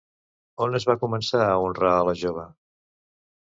On es va començar a honrar a la jove?